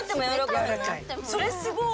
それすごい。